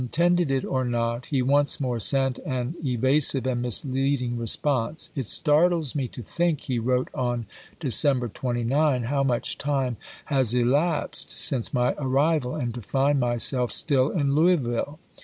'' tended it or not, he once more sent an evasive and misleading response: "It startles me to think," he wrote on December 29, "how much time has elapsed since my arrival, and to find myself still in Louisville.